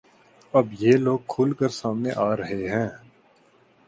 اب یہ لوگ کھل کر سامنے آ رہے ہیں